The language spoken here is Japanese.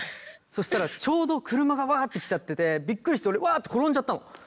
そしたらちょうど車がわって来ちゃっててびっくりして俺わって転んじゃったの。